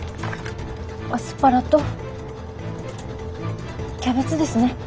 アスパラとキャベツですね。